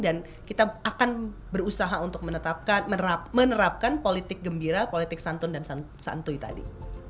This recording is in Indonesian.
dan kita akan berusaha untuk menerapkan politik gembira politik santun dan santuy tadi